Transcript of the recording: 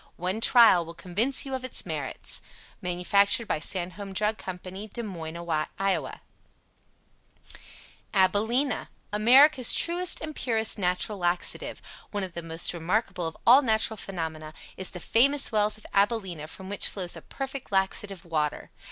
One trial will convince you of its merits. Manufactured by SANDHOLM DRUG CO. Des Moines, Iowa ABILENA America's Truest and Purest Natural Laxative. One of the most remarkable of all natural phenomena is the FAMOUS WELLS OF ABILENA from which flows a perfect laxative water.